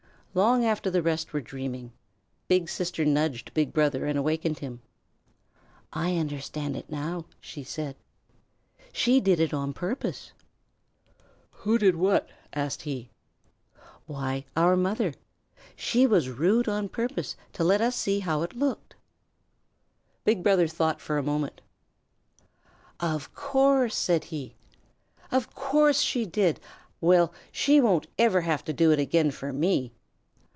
Long after the rest were dreaming, Big Sister nudged Big Brother and awakened him. "I understand it now," she said. "She did it on purpose." "Who did what?" asked he. "Why, our mother. She was rude on purpose to let us see how it looked." Big Brother thought for a minute. "Of course," said he. "Of course she did! Well she won't ever have to do it again for me."